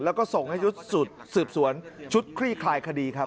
แล้วก็ส่งให้ชุดสืบสวนชุดคลี่คลายคดีครับ